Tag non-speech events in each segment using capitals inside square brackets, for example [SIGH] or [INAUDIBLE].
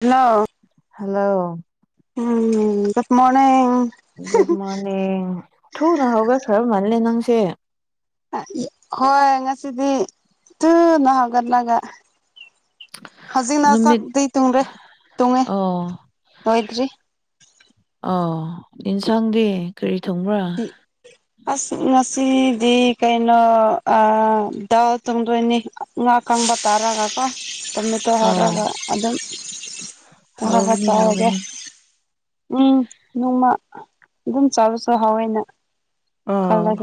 ꯍꯥꯜꯂꯣ hello um good morning good morning ꯊꯨꯅ ꯍꯧꯒ꯭ꯔꯈ꯭ꯔ ꯃꯥꯜꯂꯦ ꯅꯪꯁꯦ ꯍꯣꯏ ꯉꯁꯤꯗꯤ ꯊꯨꯅ ꯍꯧꯒꯠꯂꯒ ꯍꯧꯖꯤꯛꯅ ꯅꯨꯃꯤꯠ ꯆꯥꯛꯗꯤ ꯇꯨꯡꯔꯦ ꯇꯨꯡꯉꯦ ꯑꯣ ꯂꯣꯏꯗ꯭ꯔꯤ ꯑ ꯌꯦꯟꯁꯥꯡꯗꯤ ꯀꯔꯤ ꯊꯣꯡꯕ꯭ꯔꯥ ꯑꯁ ꯉꯁꯤꯗꯤ ꯀꯩꯅꯣ ꯗꯥꯎ ꯇꯣꯡꯗꯣꯏꯅꯤ ꯉꯥ ꯀꯪꯕ ꯇꯥꯔꯒꯀꯣ ꯇꯣꯃꯦꯇꯣ ꯑꯣ ꯍꯥꯔꯒ ꯑꯗꯨꯝ ꯊ ꯈꯔ ꯍꯥꯎꯒꯅꯤ ꯆꯥ ꯍꯥꯏꯒꯦ ꯍꯥꯎꯒꯅꯤ ꯎꯝ ꯅꯣꯡꯃ ꯑꯗꯨꯝ ꯆꯥꯕꯁꯨꯍꯥꯎꯋꯦꯅ ꯑ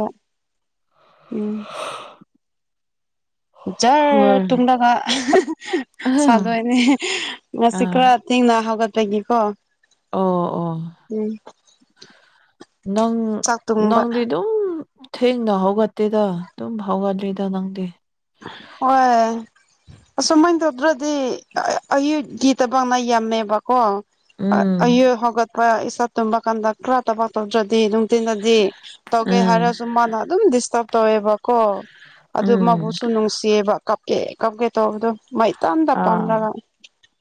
ꯎꯝ ꯖꯔ ꯍꯣꯏ ꯇꯨꯡꯂꯒ ꯑꯥ ꯁꯥꯗꯣꯏꯅꯦ ꯉꯁꯤ ꯈꯔ ꯑꯣ ꯇꯦꯡꯅ ꯍꯒꯠꯄꯒꯤꯀꯣ ꯑꯣ ꯑꯣ ꯅꯪ ꯆꯥꯛ ꯇꯨꯡꯕ ꯅꯪꯗꯤ ꯑꯗꯨꯝ ꯊꯦꯡꯅ ꯍꯧꯒꯠꯇꯦꯗ ꯑꯗꯨꯝ ꯍꯧꯎꯒꯠꯂꯤꯗ ꯅꯪꯗꯤ ꯍꯣꯏ ꯑꯁꯨꯃꯥꯏꯅ ꯇꯧꯗ꯭ꯔꯗꯤ ꯑꯌꯨꯛꯀꯤ ꯊꯕꯛꯅ ꯌꯥꯝꯃꯦꯕꯀꯣ ꯎꯝ ꯑꯌꯨ ꯍꯧꯒꯠꯄ ꯏꯁꯥ ꯇꯨꯝꯕ ꯀꯥꯟꯗ ꯈ ꯇꯕ ꯇꯧ꯭ꯔꯗꯤ ꯇꯟꯅꯗꯤ ꯇꯧꯒꯦ ꯎꯝ ꯍꯥꯏꯔꯁꯨ ꯃꯥꯅ ꯑꯗꯨꯝ ꯗꯤꯁꯇꯔꯕ ꯇꯧꯋꯦꯕꯀꯣ ꯑꯗꯨ ꯃꯥꯕꯨ ꯎꯝ ꯅꯨꯡꯁꯤꯌꯦꯕ ꯀꯞꯀꯦ ꯀꯞꯀꯦ ꯇꯧꯕꯗꯣ ꯃꯩ ꯑꯥ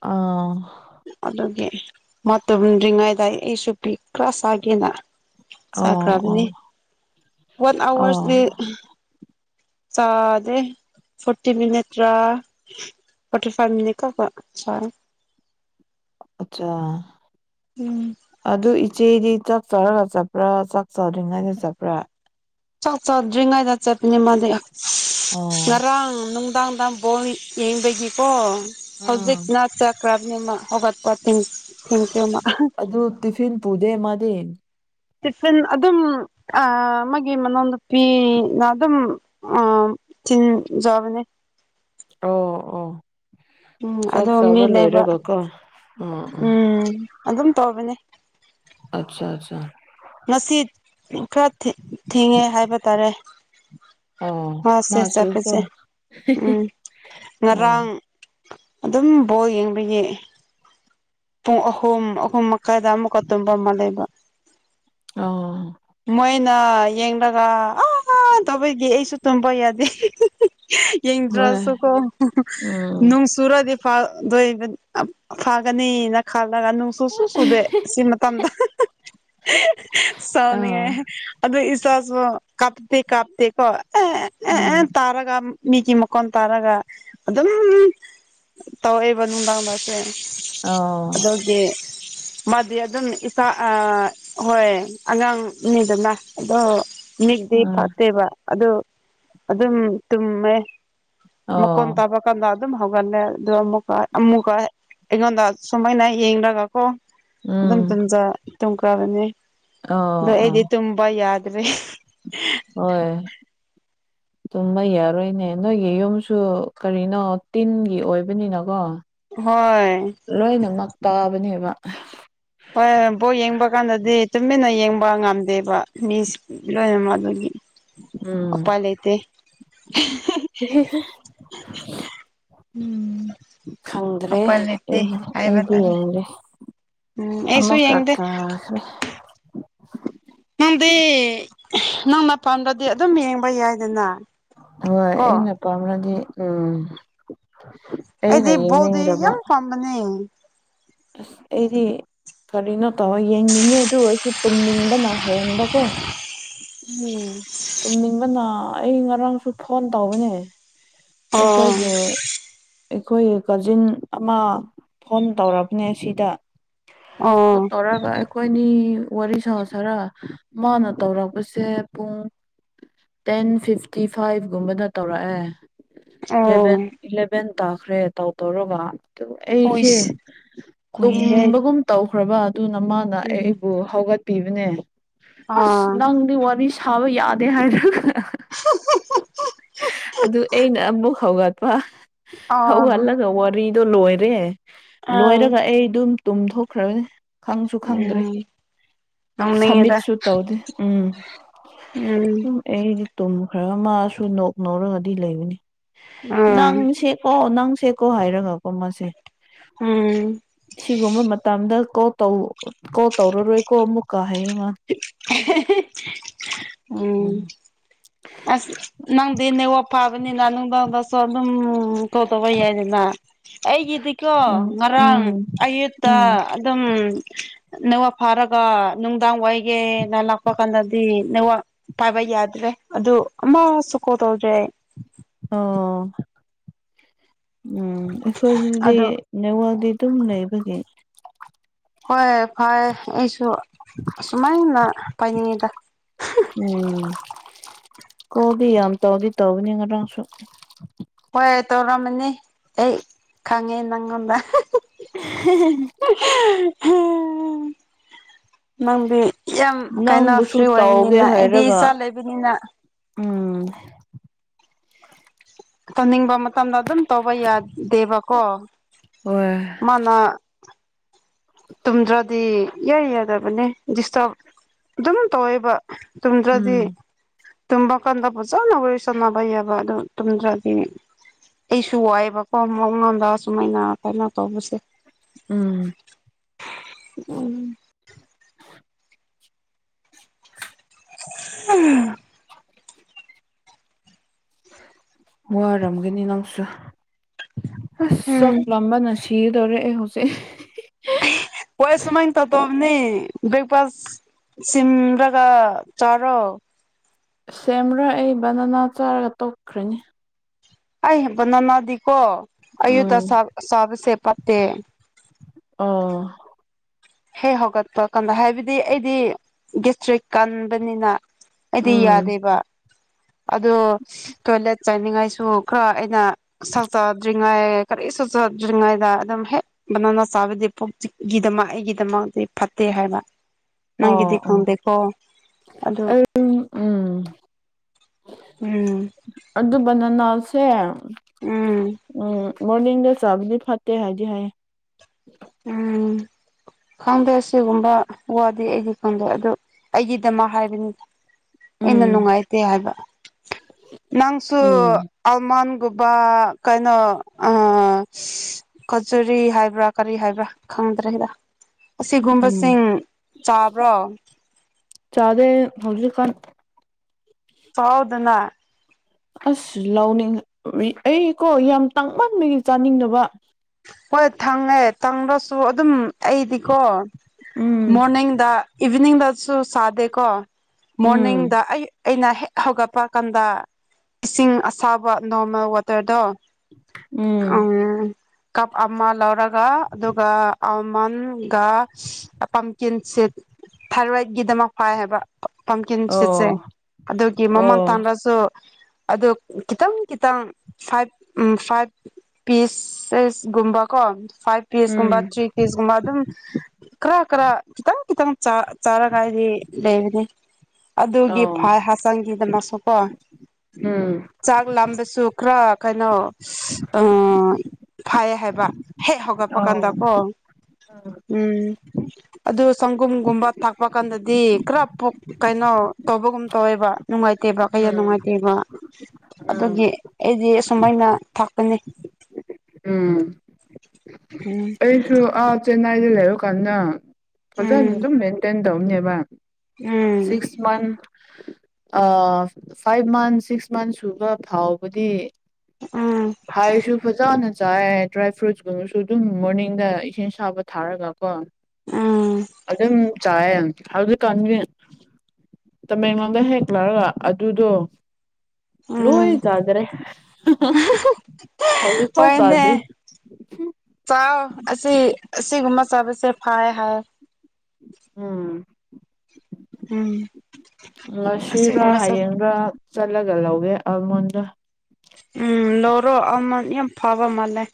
ꯑꯥ ꯑꯗꯨꯒꯤ ꯃꯥ ꯇꯨꯝꯗ꯭ꯔꯤꯉꯩꯗ ꯑꯩꯁꯨ ꯐꯤ ꯈꯔꯥ ꯁꯥꯥꯒꯦꯅ ꯑꯣ ꯆꯈ꯭ꯔꯕꯅꯤ ꯑꯣ ꯋꯥꯟ ꯑꯣ ꯑꯋꯥꯔꯁꯗꯤ ꯆꯥꯗꯦ ꯐꯣꯔꯇꯤ ꯃꯤꯅꯤꯠꯇ꯭ꯔꯥ ꯄꯇꯔ ꯐꯥꯔꯅꯤ ꯀꯣ ꯁ ꯎꯝ ꯑꯗꯨ ꯏꯆꯦꯗꯤ ꯆꯠ ꯆꯥꯛ ꯆꯔꯒ ꯆꯠꯄ꯭ꯔꯥ ꯆꯥꯛ ꯆꯥꯗ꯭ꯔꯤꯉꯩꯗ ꯆꯠꯄ꯭ꯔꯥ ꯆꯥꯛ ꯆꯠꯗ꯭ꯔꯤꯉꯩꯗ ꯆꯠꯄꯅꯦ ꯃꯥꯗꯤ ꯑꯣ ꯉꯔꯥꯡ ꯅꯨꯡꯗꯥꯡꯗ ꯕꯣꯜ ꯌꯦꯡꯕꯒꯤꯀꯣ ꯑꯥ ꯍꯧꯖꯤꯛꯅ ꯄ꯭ꯔꯣꯕ꯭ꯂꯤ ꯍꯄꯣ ꯊ ꯊꯦꯡ꯭ꯨ ꯑꯗꯨ ꯇꯤꯐꯤꯟ ꯄ ꯄꯨꯗꯦ ꯃꯥꯗꯤ ꯇꯤꯐꯤꯟ ꯑꯗꯨꯝ ꯑ ꯑꯃꯒꯤ ꯃꯅꯥꯎ ꯅꯨꯨꯄꯤꯅ ꯑꯗꯨꯝ ꯑꯥ ꯇꯤꯟ ꯆꯥꯕ ꯅꯦ ꯑꯣ ꯑꯣ ꯎꯝ ꯆꯥꯛ ꯑꯗꯨ ꯃꯤ ꯆꯥꯕ ꯂꯩꯕ ꯂꯣꯏꯔꯒꯀꯣ ꯑꯣ ꯑꯣ ꯎꯝ ꯑꯗꯨꯝ ꯇꯧꯕꯅꯤ ꯑꯆꯥ ꯑꯆꯥ ꯉꯁꯤ ꯈꯔ ꯊꯦꯡꯉꯦ ꯍꯥꯏꯕ ꯇꯥꯔꯦ ꯑꯣ ꯃꯥꯁꯦ ꯃꯥꯁꯨ ꯀꯣ ꯆꯠꯄꯁꯦ ꯎꯝ ꯑꯣ ꯉꯔꯥꯡ ꯑꯗꯨꯝ ꯕꯣꯜ ꯌꯦꯡꯕꯒꯤ ꯄꯨꯡ ꯑꯍꯨꯝ ꯑꯍꯨꯝ ꯃꯈꯥꯏꯗ ꯑꯃꯨꯛꯀ ꯇꯨꯝꯕ ꯑꯃ ꯂꯩꯕ ꯑꯣ ꯃꯣꯏꯅ ꯌꯦꯡꯂꯒ ꯑ ꯇꯧꯕꯒꯤ ꯑꯩꯁꯨ ꯇꯨꯝꯕ ꯌꯥꯗꯦ ꯍꯣꯏ ꯌꯦꯡꯗ꯭ꯔꯁꯨꯀꯣ ꯎꯝ ꯅꯨꯡ ꯆꯨꯔꯗꯤ ꯐꯥꯗꯣꯏ ꯐꯥꯒꯅꯤꯅ ꯈꯜꯂꯒ ꯁꯨꯁꯨꯨ ꯁꯨꯗꯦ ꯁꯤ ꯃꯇꯝꯗ ꯑꯥ ꯁꯥꯎꯅꯤꯡꯉꯦ ꯑꯗꯨꯗ ꯏ ꯆꯁꯨ ꯀꯞꯇ ꯀꯥꯞꯇ ꯀꯣ ꯑꯦ ꯎꯝ ꯑꯦ ꯇꯥꯔꯒ ꯃꯤꯒꯤ ꯃꯀꯣꯟ ꯇꯥꯔꯒ ꯑꯗꯨꯝ ꯇꯧꯔꯦꯕ ꯅꯨꯡꯗꯥꯡꯗꯁꯦ ꯑ ꯗꯤ ꯃꯥꯗꯤ ꯑꯗꯨꯝ ꯏꯁꯥ ꯑ ꯍꯣꯏ ꯑꯉꯥꯡꯅꯤꯗꯅ ꯑꯗꯣ ꯃꯤꯒꯤꯗꯤ ꯎꯝ ꯐꯠꯇꯦꯕ ꯑꯗꯨ ꯑꯗꯨꯝ ꯇꯨꯝꯃꯦ ꯃꯈꯣꯟ ꯑꯣ ꯇꯥꯕ ꯀꯥꯟꯗ ꯑꯗꯨꯝ ꯍꯧꯒꯠꯂꯦ ꯑꯗꯨ ꯑꯃꯨꯛꯀ ꯑꯃꯨꯛꯀ ꯀꯩꯅꯣꯗꯥ ꯁꯨꯃꯥꯏꯅ ꯌꯦꯡꯂꯒ ꯎꯝ [UNINTELLIGIBLE] ꯑꯣ ꯑꯗꯨ ꯑꯣ ꯑꯩꯗꯤ ꯇꯨꯝꯕꯥ ꯌꯥꯗ꯭ꯔꯦ ꯍꯣꯏ [INAUDIBLE] ꯇꯨꯝꯕ ꯌꯥꯔꯣꯏꯅꯦ ꯅꯣꯏꯒꯤ ꯌꯨꯝꯁꯨ ꯀꯔꯤꯅꯣ ꯇꯤꯟꯒꯤ ꯑꯣꯏꯕꯅꯤꯅꯀꯣ ꯍꯣꯏ ꯂꯣꯏꯅꯃꯛ ꯇꯥꯕꯅꯦꯕ ꯍꯣꯏ ꯕꯣꯜ ꯌꯦꯡꯕ ꯀꯥꯟꯗꯗꯤ ꯇꯨꯃꯤꯟꯅ ꯌꯦꯡꯕ ꯉꯝꯗꯦꯕ ꯃꯤꯁꯤ [UNINTELLIGIBLE] ꯑꯗꯨꯒꯤ ꯎꯝ ꯎꯄꯥꯏ ꯂꯩꯩꯇꯦ [UNINTELLIGIBLE] [UNINTELLIGIBLE] ꯎꯝ ꯈꯪꯗ꯭ꯔꯦ ꯑꯩ ꯍꯥꯏꯕ ꯑꯩꯗꯤ ꯇꯥꯔꯦ ꯌꯦꯡꯗ꯭ꯦ ꯎꯝ ꯑꯩꯁꯨ ꯑꯃꯨꯛꯀꯥ ꯌꯦꯡꯗꯦ ꯀꯥꯈ꯭ꯔꯦ ꯅꯪꯗꯤ ꯅꯪ ꯃꯐꯝꯗꯗꯤ ꯑꯗꯨꯝ ꯌꯦꯡꯕ ꯌꯥꯏꯗꯅ ꯍꯣꯏ ꯀꯣ ꯑꯩꯅ ꯄꯥꯝꯂꯗꯤ ꯎꯝ ꯑꯩꯅ ꯑꯩꯗꯤ ꯕꯣꯜꯗꯤ ꯌꯦꯡꯅꯤꯡꯗꯕ ꯌꯥꯝ ꯄꯥꯝꯕꯅꯦ ꯑꯁ ꯑꯩꯗꯤ ꯀꯔꯤꯅꯣ ꯇꯧꯔ ꯌꯦꯡꯅꯤꯡꯉꯦ ꯑꯗꯨ ꯑꯣꯏꯁꯨ ꯇꯨꯝꯅꯤꯡꯕꯅꯥ ꯍꯦꯟꯕꯀꯣ [UNINTELLIGIBLE] ꯇꯨꯝꯅꯤꯡꯕꯅ ꯑꯩ ꯉꯔꯥꯡꯁꯨ ꯐꯣꯟ ꯇꯧꯕꯅꯦ ꯑꯣ ꯑꯩꯈꯣꯏꯒꯤ ꯑꯩꯈꯣꯏꯒꯤ ꯀꯖꯤꯟ ꯑꯃ ꯐꯣꯟ ꯇꯧꯔꯕꯅꯦ ꯁꯤꯗ ꯀꯣꯜ ꯑꯣ ꯇꯧꯔꯒꯥ ꯑꯩꯈꯣꯏꯅꯤ ꯋꯥꯔꯤ ꯁꯥ ꯁꯤꯔꯥ ꯃꯥꯅ ꯇꯧꯔꯛꯄꯁꯦ ꯄꯨꯡ ꯇꯦꯟ ꯐꯤꯐꯇꯤ ꯐꯥꯏꯚꯒꯨꯝꯕꯗ ꯇꯧꯔꯛꯑꯦ ꯑꯣ ꯏꯂꯥꯚꯦꯟ ꯏꯂꯚꯦꯟ ꯇꯥꯈ꯭ꯔꯦ ꯇꯧ ꯇꯧꯔꯒ ꯑꯗꯨ ꯑꯩꯁꯦ ꯑꯣꯏꯁ ꯀꯨꯏꯍꯦ ꯇꯨꯝꯕꯒꯨꯝ ꯇꯧꯈ꯭ꯔꯕ ꯑꯗꯨꯅ ꯃꯥꯅ ꯎꯝ ꯑꯩꯕꯨ ꯍꯧꯒꯠꯄꯤꯕꯅꯦ ꯑꯁ ꯑꯥ ꯅꯪꯗꯤ ꯋꯥꯔꯤ ꯊꯥꯕ ꯌꯥꯗꯦ ꯍꯥꯏ [UNINTELLIGIBLE] [UNINTELLIGIBLE] ꯑꯗꯨ ꯑꯩꯅ ꯑꯃꯨꯛ ꯍꯧꯒꯠꯄ ꯑꯥ ꯍꯧꯒꯠꯂꯒ ꯋꯥꯔꯤꯗꯣ ꯂꯣꯏꯔꯦ ꯑꯥ ꯂꯣꯏꯔꯒ ꯑꯩ ꯑꯗꯨꯝ ꯇꯨꯝꯊꯣꯛꯈ꯭ꯔꯕꯅꯤ ꯈꯪꯁꯨ ꯈꯪꯗ꯭ꯔꯦ ꯎꯝ ꯅꯣꯛꯅꯤꯡꯉꯤꯗ ꯁꯃꯤꯠꯁꯨ ꯇꯧꯗꯦ ꯎꯝ ꯎꯝ ꯑꯩꯗꯤ ꯇꯨꯝ ꯈꯔ ꯃꯥꯁꯨ ꯅꯣꯛ ꯅꯧꯔꯒꯗꯤ ꯂꯩꯕꯅꯤ ꯑꯥ ꯅꯪ ꯁꯦꯀꯣ ꯅꯪ ꯁꯦꯀꯣ ꯍꯥꯏꯔꯒꯀꯣ ꯃꯥꯁꯦ ꯎꯝ ꯁꯤꯒꯨꯝꯕ ꯃꯇꯝꯗ ꯀꯣ ꯇꯧ ꯀꯣꯜ ꯇꯧꯔꯔꯣꯏꯀꯣ ꯑꯃꯨꯛꯀ ꯍꯥꯏꯌꯦ ꯃꯥ [UNINTELLIGIBLE] ꯎꯝ ꯑꯁ ꯅꯪꯗꯤ ꯅꯦꯠꯋꯥꯛ ꯐꯥꯕꯅꯤꯅ ꯅꯨꯡꯗꯥꯡꯗꯁꯨ ꯑꯗꯨꯝ ꯀꯣꯜ ꯇꯧꯕ ꯌꯥꯏꯗꯅ ꯑꯩꯒꯤꯗꯤꯀꯣ ꯉꯔꯥꯡ ꯎꯝ ꯑꯌꯨꯠꯇ ꯎꯝ ꯑꯗꯨꯝ ꯅꯦꯋꯥꯛ ꯐꯥꯔꯒ ꯅꯨꯡꯗꯥꯡ ꯋꯥꯏꯒꯦ ꯅ ꯂꯥꯛꯄ ꯀꯥꯟꯗꯗꯤ ꯅꯦꯋꯥꯛ ꯄꯥꯏꯕ ꯌꯥꯗ꯭ꯔꯦ ꯑꯗꯨ ꯑꯃ ꯁꯨ ꯀꯣꯜ ꯇꯧꯗ꯭ꯔꯦ ꯑꯣ ꯎꯝ ꯑꯩꯈꯣꯏ ꯑꯗꯨꯗꯤ ꯑꯗꯨ ꯅꯦꯋꯥꯜꯗꯤ ꯑꯗꯨꯝ ꯂꯩꯕꯒꯤ ꯍꯣꯏ ꯐꯔꯦ ꯑꯩꯁꯨ ꯑꯁꯨꯃꯥꯏꯅ ꯄꯥꯏꯅꯤꯡꯉꯤꯗ ꯎꯝ ꯀꯣꯜꯗꯤ ꯌꯥꯝ ꯇꯧꯗꯤ ꯇꯧꯕꯅꯤ ꯉꯔꯥꯡꯁꯨ ꯍꯣꯏ ꯇꯧꯔꯝꯃꯅꯤ ꯑꯩ ꯈꯪꯉꯦ ꯅꯪꯉꯣꯟꯗ [UNINTELLIGIBLE] [UNINTELLIGIBLE] ꯅꯪꯗꯤ ꯌꯥꯝ ꯀꯩꯅꯣ ꯅꯪꯕꯨꯁꯨ ꯐ꯭ꯔꯤ ꯇꯧꯒꯦ ꯑꯣꯏꯕꯅꯤꯅ ꯑꯩꯗꯤ ꯍꯥꯏꯔꯒ ꯏꯆꯥ ꯂꯩꯕꯅꯤꯅ ꯎꯝ ꯇꯧꯅꯤꯡꯕ ꯃꯇꯝꯗ ꯑꯗꯨꯝ ꯇꯧꯕ ꯌꯥꯗꯦꯕꯀꯣ ꯍꫭꯏ [UNINTELLIGIBLE] ꯇꯨꯝꯗ꯭ꯔꯗꯤ ꯏꯌꯥ ꯌꯥꯗꯕꯅꯦ ꯗꯤꯁꯇꯞ ꯑꯗꯨꯝ ꯇꯧꯋꯦꯕ ꯇꯨꯝꯗ꯭ꯔꯗꯤ ꯎꯝ ꯇꯨꯝꯕ ꯀꯥꯟꯗ ꯐꯖꯅ ꯋꯥꯔꯤ ꯁꯥꯅꯕ ꯌꯥꯕ ꯑꯗꯨ ꯇꯨꯝꯗ꯭ꯔꯗꯤ ꯑꯩꯁꯨ ꯋꯥꯏꯑꯦꯕꯀꯣ ꯃꯛꯉꯣꯟꯗ ꯁꯨꯃꯥꯏꯅ ꯀꯩꯅꯣ ꯇꯧꯕꯁꯦ ꯎꯝ ꯎꯝ [INAUDIBLE] [UNINTELLIGIBLE] ꯋꯥꯔꯝꯒꯅꯤ ꯅꯪꯁꯨ ꯑꯁ ꯆꯥꯛ ꯎꯝ ꯂꯥꯝꯕꯅ ꯁꯤ ꯁꯤꯒꯗꯧꯔꯦ ꯑꯩ ꯍꯧꯖꯤꯛ ꯍꫭꯏ ꯁꯨꯃꯥꯏ ꯇꯩꯇꯩꯕꯅꯦ ꯕ꯭ꯔꯦꯛꯐꯥꯁ ꯁꯤꯝꯔꯒ ꯆꯥꯔꯣ ꯁꯦꯝꯔ ꯑꯩ ꯕꯟꯅꯅꯥ ꯆꯥꯔꯒ ꯇꯣꯛꯈ꯭ꯔꯅꯤ ꯑꯩ ꯕꯟꯅꯅꯥꯗꯤꯀꯣ ꯑꯌꯨꯛꯇ ꯎꯝ ꯆꯥꯕ ꯆꯥꯕꯁꯦ ꯄꯠꯇꯦ ꯑꯣ ꯍꯦꯛ ꯍꯧꯒꯠꯄ ꯀꯥꯟꯗ ꯍꯥꯏꯕꯗꯤ ꯑꯩꯗꯤ ꯒꯦꯁꯇ꯭ꯔꯤꯛ ꯀꯟꯕꯅꯤꯅ ꯑꯩꯗꯤ ꯎꯝ ꯌꯥꯗꯦꯕ ꯑꯗꯣ ꯇꯣꯏꯂꯦꯠ ꯆꯡꯅꯤꯡꯉꯥꯏꯁꯨ ꯈꯔ ꯑꯩꯅ ꯁꯥꯛ ꯆꯥꯗ꯭ꯔꯤꯡ ꯉꯩ ꯀꯔꯤꯁꯨ ꯆꯥꯗ꯭ꯔꯤꯉꯩꯗ ꯑꯗꯨꯝ ꯍꯦꯛ ꯕꯅꯥꯅꯥ ꯆꯥꯕꯗꯤ ꯄꯨꯛ ꯆꯤꯛꯀꯤꯗꯃꯛ ꯑꯩꯒꯤ ꯗꯃꯛꯇꯗꯤ ꯐꯠꯇꯦ ꯍꯥꯏꯕ ꯑꯣ ꯅꯪꯒꯤꯗꯤ ꯈꯪꯗꯦꯀꯣ ꯑꯗꯨ ꯎꯝ ꯎꯝ ꯎꯝ ꯑꯗꯨ ꯕꯅꯥꯅꯥꯁꯦ ꯎꯝ ꯎꯝ ꯃꯣꯔꯅꯤꯡꯗ ꯆꯥꯕꯗꯤ ꯐꯠꯇꯦ ꯍꯥꯏꯗꯤ ꯍꯥꯏꯌꯦ ꯎꯝ ꯈꯪꯗꯦ ꯑꯁꯤꯒꯨꯝꯕ ꯋꯥꯗꯤ ꯑꯩꯗꯤ ꯈꯪꯗꯦ ꯑꯗꯨ ꯑꯩꯒꯤꯗꯃꯛ ꯍꯥꯏꯕꯅꯤ ꯎꯝ ꯑꯩꯅ ꯅꯨꯡꯉꯥꯏꯇꯦ ꯍꯥꯏꯕ ꯅꯪꯁꯨ ꯎꯝ ꯑꯜꯃꯟꯒꯨꯝꯕ ꯀꯩꯅꯣ ꯑ ꯀꯆꯨꯔꯤ ꯍꯥꯏꯕ꯭ꯔꯥ ꯀꯔꯤ ꯍꯥꯏꯕ꯭ꯔꯥ ꯈꯪꯗ꯭ꯔꯦꯗ ꯎꯝ ꯑꯁꯤꯒꯨꯝꯕꯁꯤꯡ ꯆꯥꯕ꯭ꯔꯣ ꯆꯥꯗꯦ ꯍꯧꯖꯤꯛꯀꯥꯟ ꯆꯥꯎꯋꯣꯗꯅ ꯑꯁ ꯂꯧꯅꯤꯡꯔꯤ ꯑꯩ ꯀꯣ ꯌꯥꯝ ꯇꯥꯡꯃꯟꯕꯒꯤ ꯆꯥꯅꯤꯡꯗꯕ ꯍꯣꯏ ꯊꯪꯉꯦ ꯇꯥꯡꯔꯁꯨ ꯑꯗꯨꯝ ꯑꯩꯗꯤꯀꯣ ꯎꯝ ꯃꯣꯔꯅꯤꯡꯗ ꯏꯚꯤꯅꯤꯡꯗꯁꯨ ꯁꯥꯗꯦꯀꯣ ꯎꯝ ꯃꯣꯔꯅꯤꯡꯗ ꯑꯩ ꯑꯩꯅ ꯍꯦꯛ ꯍꯧꯒꯠꯄ ꯀꯥꯟꯗ ꯏꯁꯤꯡ ꯑꯁꯥꯕ ꯅꯣꯔꯃꯦꯜ ꯋꯥꯇ꯭ꯔꯗꯣ ꯎꯝ ꯀꯞ ꯑꯃ ꯂꯧꯔꯒ ꯑꯗꯨꯒ ꯑꯜꯃꯟꯒ ꯄꯝꯀꯤꯟ ꯁꯤꯠ ꯊꯥꯏꯔꯣꯏꯠꯒꯤꯗꯃꯛ ꯐꯥꯏ ꯍꯥꯏꯕ ꯄꯝꯀꯤꯟ ꯑꯣ ꯁꯤꯠꯁꯦ ꯑꯗꯨꯒꯤ ꯑꯣ ꯃꯃꯟ ꯇꯥꯡꯔꯁꯨ ꯑꯗꯣ ꯈꯤꯇꯪ ꯈꯤꯇꯪ ꯐꯥꯏꯚ ꯐꯥꯏꯚ ꯄꯤꯁ ꯒꯨꯝꯕ ꯀꯣ ꯐꯥꯏꯚ ꯄꯤꯁ ꯎꯝ ꯀꯨꯝꯕ ꯊ꯭ꯔꯤ ꯄꯤꯁꯀꯨꯝꯕ ꯑꯗꯨꯝ ꯈꯔ ꯈꯔ ꯈꯤꯇꯪ ꯈꯤꯇꯪ ꯆꯥ ꯆꯥꯔꯒ ꯑꯩꯗꯤ ꯂꯩꯕꯅꯤ ꯑꯗꯨꯒꯤ ꯑꯧ ꯐꯥꯏ ꯍꯆꯥꯡꯒꯤꯗꯃꯛꯁꯨꯀꯣ ꯎꯝ ꯆꯥꯛ ꯂꯥꯝꯕꯁꯨ ꯈꯔ ꯀꯩꯅꯣ ꯑ ꯐꯩ ꯍꯥꯏꯕ ꯍꯦꯛ ꯍꯧꯒꯠꯄ ꯑꯧ ꯀꯥꯟꯗꯀꯣ ꯎꯝ ꯑꯗꯨ ꯁꯪꯒꯣꯝꯒꯨꯝꯕ ꯊꯥꯛꯄ ꯀꯥꯟꯗꯗꯤ ꯈꯔ ꯄꯨꯞ ꯀꯩꯅꯣ ꯇꯧꯕꯒꯨꯝ ꯇꯧꯋꯦꯕ ꯅꯨꯡꯉꯥꯏ ꯂꯩꯇꯦꯕ ꯀꯩꯌꯥ ꯎꯝ ꯅꯨꯡꯉꯥꯏꯇꯦꯕ ꯎꯝ ꯑꯗꯨꯒꯤ ꯑꯩꯗꯤ ꯑꯁꯨꯃꯥꯏꯅ ꯊꯛꯄꯅꯤ ꯎꯝ ꯎꯝ ꯑꯩꯁꯨ ꯑꯥ ꯆꯦꯟꯅꯥꯏꯗ ꯂꯩꯔꯨꯀꯥꯟꯗ ꯐꯖꯅ ꯎꯝ ꯑꯗꯨꯝ ꯃꯦꯟꯇꯦꯟ ꯇꯧꯅꯦꯕ ꯎꯝ ꯁꯤ ꯃꯟ ꯐꯥꯏꯚ ꯃꯟ ꯁꯤꯛꯁ ꯃꯟꯁ ꯁꯨꯕ ꯐꯥꯎꯕꯗꯤ ꯎꯝ ꯐꯥꯏꯁꯨ ꯐꯖꯥꯅ ꯆꯥꯏ ꯗ꯭ꯔꯥꯏ ꯐ꯭ꯔꯨꯏꯠꯁꯀꯨꯝꯕꯁꯨ ꯑꯗꯨꯝ ꯃꯣꯔꯅꯤꯡꯗ ꯏ ꯁꯥꯕ ꯊꯥꯔꯒ ꯀꯣ ꯎꯝ ꯑꯗꯨ ꯆ ꯀꯟ ꯇꯃꯦꯡꯂꯣꯡꯗ ꯍꯦꯛ ꯂꯥꯛꯔꯒ ꯑꯗꯨꯗꯣ ꯂꯣꯏ ꯎꯝ ꯆꯥꯗ꯭ꯔꯦ ꯍꯧꯖꯤꯛꯐꯥꯎ ꯆꯥꯗ꯭ꯔꯤ ꯍꯣꯏꯅꯦ ꯍꯨꯝ ꯆꯥꯎ ꯑꯁꯤ ꯑꯁꯤꯒꯨꯝꯕ ꯆꯥꯕꯁꯦ ꯐꯩ ꯍꯥꯏꯌꯦ ꯎꯝ ꯎꯝ ꯉꯁꯤꯔꯥ ꯑꯁꯤꯒꯨꯝꯕꯁꯨ ꯍꯌꯦꯡꯔ ꯆꯠꯂꯒ ꯂꯧꯔꯦ ꯑꯜꯃꯣꯟꯗꯣ ꯎꯝ ꯂꯧꯔꯣ ꯑꯃ ꯌꯥꯝ ꯐꯕ ꯃꯥꯜꯂꯦ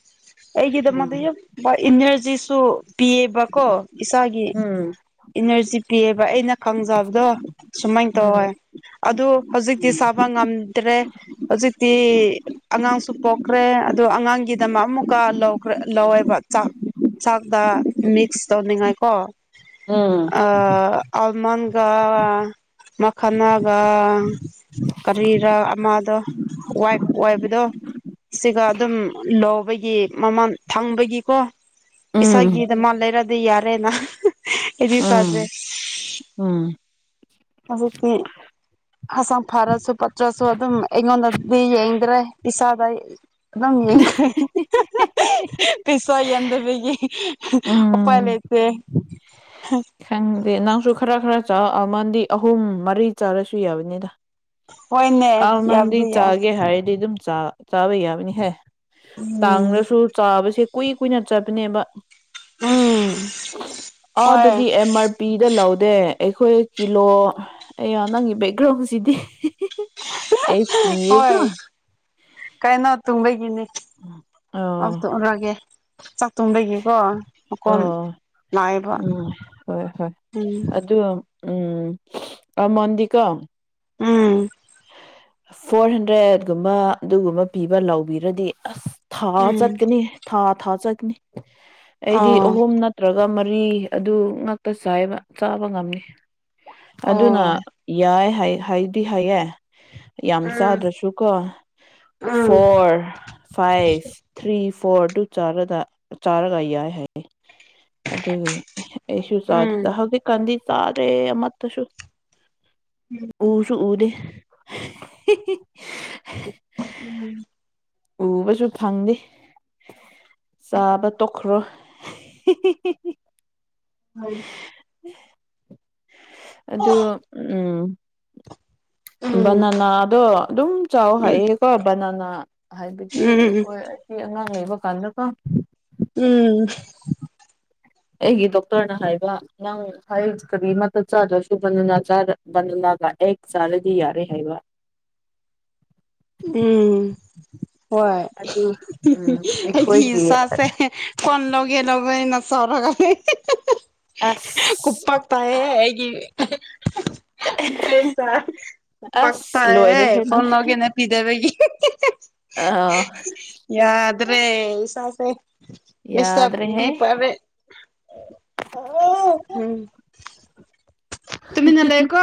ꯑꯩꯒꯤꯗꯃꯛꯇ ꯎꯝ ꯌꯥꯝ ꯕ ꯏꯟꯅ꯭ꯔꯖꯤꯁꯨ ꯄꯤꯌꯦꯕꯀꯣ ꯏꯁꯥꯒꯤ ꯎꯝ ꯏꯅꯔꯖꯤ ꯄꯤꯌꯦꯕ ꯑꯩꯅ ꯈꯪꯖꯕꯗꯣ ꯁꯨꯃꯥꯏꯅ ꯇꯧꯋꯦ ꯑꯗꯨ ꯍꯧꯖꯤꯛꯇꯤ ꯎꯝ ꯁꯥꯕ ꯉꯝꯗ꯭ꯔꯦ ꯍꯧꯖꯤꯛ ꯇꯤ ꯑꯉꯥꯡꯁꯨ ꯄꯣꯛꯈ꯭ꯔꯦ ꯑꯗꯣ ꯑꯉꯥꯡꯒꯤꯗꯃꯛ ꯑꯃꯨꯛꯀ ꯂꯧꯈ꯭ꯔ ꯂꯧꯋꯦꯕ ꯆꯥꯛ ꯆꯥꯛꯗ ꯃꯤꯛꯁ ꯇꯧꯅꯤꯡꯉꯥꯏꯀꯣ ꯎꯝ ꯑ ꯑꯜꯃꯟꯒꯥꯎ ꯃꯈꯅꯥꯒ ꯀꯔꯤꯔꯥ ꯑꯃꯗ ꯋꯥꯏ ꯋꯥꯏꯕꯗꯣ ꯁꯤꯒ ꯑꯗꯨꯝ ꯂꯧꯕꯒꯤ ꯃꯃꯜ ꯊꯪꯕꯒꯤꯀꯣ ꯎꯝ ꯏꯁꯒꯤꯗ ꯃꯥꯜ ꯂꯩꯔꯗꯤ ꯌꯥꯔꯦꯅ ꯑꯦꯗꯤ ꯆꯗ꯭ꯔꯦ ꯎꯝ ꯎꯝ ꯎꯝ ꯍꯧꯖꯤꯛꯇꯤ ꯍꯆꯥꯡ ꯐꯔꯁꯨ ꯄꯠꯇ꯭ꯔꯁꯨ ꯑꯗꯨꯝ ꯑꯩꯉꯣꯟꯗꯗꯤ ꯌꯦꯡꯗ꯭ꯔꯦ ꯄꯁꯥꯗ ꯑꯗꯨꯝ ꯌꯦꯡꯈ ꯄꯤꯁꯥ ꯌꯥꯟꯗꯕꯒꯤ ꯑꯣꯄ ꯎꯝ ꯑꯦꯂꯇꯦ ꯈꯪꯗꯦ ꯅꯪꯁꯨ ꯈꯔ ꯈꯔ ꯆꯛꯃꯗꯤ ꯑꯍꯨꯝ ꯃꯔꯤ ꯆꯥꯔꯁꯨ ꯌꯥꯕꯅꯤꯗ ꯍꯣꯏꯅꯦ ꯑ ꯅꯝꯗꯤ ꯌꯥꯕꯗꯤ ꯌꯥꯏ ꯆꯥꯒꯦ ꯍꯥꯏꯔꯗꯤ ꯑꯗꯨꯝ ꯆꯥ ꯆꯥꯕ ꯌꯥꯕꯅꯤꯍꯦ ꯎꯝ ꯇꯥꯡꯂꯁꯨ ꯆꯥꯕꯁꯤꯦ ꯀꯨꯏ ꯀꯨꯏꯅ ꯆꯠꯄꯅꯦꯕ ꯎꯝ ꯍꯣꯏ ꯑꯥꯗꯗꯤ ꯑꯃꯔ ꯄꯄꯤꯗ ꯂꯧꯗꯦ ꯑꯩꯈꯣꯏ ꯀꯤꯂꯣ ꯑ ꯅꯪꯒꯤ ꯕꯦꯛꯒ꯭ꯔꯥꯎꯟꯁꯤꯗꯤ ꯑꯩ ꯀꯤꯌꯦꯀꯣ ꯍꯣꯏ ꯀꯥꯏꯅ ꯇꯨꯝꯕꯒꯤꯅꯤ ꯑꯥ ꯑ ꯇꯣꯛꯎꯔꯒꯦ ꯆꯥꯛꯇꯣꯡꯗꯒꯤꯀꯣ ꯃꯈꯀꯣꯝ ꯑꯥ ꯎꯝ ꯍꯣꯏ ꯍꯣꯏ ꯎꯝ ꯑꯗꯨ ꯎꯝ ꯑꯃꯣꯟꯗꯤꯀꯣ ꯎꯝ ꯐꯣꯔ ꯍꯟꯗ꯭ꯔꯦꯗꯒꯨꯝꯕ ꯑꯗꯨꯒꯨꯝꯕ ꯄꯤꯕ ꯂꯥꯎꯕꯤꯔꯗꯤ ꯑꯁ ꯊꯥ ꯎꯝ ꯆꯠꯀꯅꯤ ꯊꯥ ꯊꯥ ꯆꯠꯅꯤ ꯑꯩꯗꯤ ꯑꯣ ꯑꯍꯨꯝꯅ ꯅꯠꯇ꯭ꯔꯒ ꯃꯔꯤ ꯑꯗꯨ ꯉꯥꯛꯛꯇ ꯆꯥꯏꯕ ꯆꯥꯕ ꯉꯝꯅꯤ ꯑꯣ ꯑꯗꯨꯅ ꯌꯥꯏ ꯍꯥꯏꯗꯤ ꯍꯥꯏꯌꯦꯦ ꯌꯥꯝ ꯎꯝ ꯆꯥꯗ꯭ꯔꯁꯨ ꯀꯣ ꯎꯝ ꯐꯣꯔ ꯐꯥꯏꯚ ꯊ꯭ꯔꯤ ꯐꯣꯔ ꯇꯗꯨ ꯆꯥꯔꯒ ꯌꯥꯏ ꯍꯥꯏꯦ ꯑꯗꯨꯒꯤ ꯑꯩꯁꯨ ꯆꯥꯗꯗ ꯍꯧꯖꯤꯛꯀꯥꯟꯗꯤ ꯆꯥꯗ꯭ꯔꯦ ꯑꯃꯠꯇꯁꯨ ꯎꯁꯨ ꯎꯗꯦ ꯎꯝ ꯎꯕꯁꯨ ꯐꯪꯗꯦ ꯆꯥꯕ ꯇꯣꯛꯈ꯭ꯔꯣ ꯍꯣꯏ ꯑꯗꯨ ꯎꯝ ꯎꯝ ꯕꯅꯅꯥꯗꯣ ꯑꯗꯨꯝ ꯆꯥꯎ ꯍꯥꯏꯌꯦꯀꯣ ꯕꯅꯅꯥ ꯍꯥꯏꯕꯗꯤ ꯎꯝ ꯑꯩꯈꯣꯏ ꯑꯉꯥꯡ ꯂꯩꯕ ꯀꯜꯂ ꯀꯣ ꯎꯝ ꯑꯩꯒꯤ ꯗꯣꯛꯇꯔꯅ ꯍꯥꯏꯕ ꯅꯪ ꯍꯥꯏ ꯀꯔꯤꯃ ꯆꯥꯗ꯭ꯔꯁꯨ ꯒ ꯑꯦꯛ ꯆꯥꯔꯗꯤ ꯌꯥꯔꯦ ꯍꯥꯏꯕ ꯎꯝ ꯍꯣꯏ ꯑꯗꯨ ꯎꯝ ꯑꯩ ꯑꯩꯈꯣꯏꯒꯤ ꯏꯁꯥꯁꯦ ꯐꯣꯟꯂꯒꯦ ꯂꯧꯧꯕ ꯅꯆꯥꯎꯔꯀꯅꯤ ꯑꯁ ꯀꯣꯄꯥꯛ ꯇꯌꯦ ꯍꯥꯏꯒꯤ ꯄꯦꯁ ꯄꯥꯛ ꯇ ꯑꯁ ꯑꯦꯦ ꯂꯣꯏꯔꯦꯍꯦ ꯅꯪ ꯐꯣꯟꯣꯟꯒꯦ ꯅꯄꯤꯤꯗꯦꯕꯒꯤ ꯑ ꯌꯥꯗ꯭ꯔꯦ ꯁꯁꯦ ꯁ ꯌꯥꯗ꯭ꯔꯦꯍꯦ ꯕꯤꯄꯔꯦ [UNINTELLIGIBLE] ꯇꯃꯤ ꯅ ꯂꯩꯦ ꯀꯣ